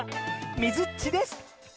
みずっちです！